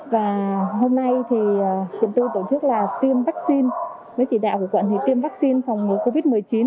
và hôm nay thì quận tôi tổ chức là tiêm vaccine với chỉ đạo của quận thì tiêm vaccine phòng ngừa covid một mươi chín